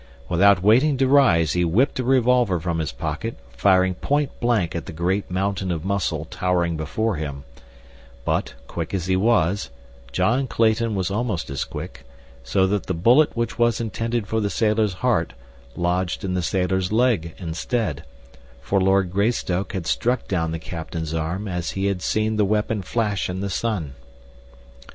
Without waiting to rise he whipped a revolver from his pocket, firing point blank at the great mountain of muscle towering before him; but, quick as he was, John Clayton was almost as quick, so that the bullet which was intended for the sailor's heart lodged in the sailor's leg instead, for Lord Greystoke had struck down the captain's arm as he had seen the weapon flash in the sun.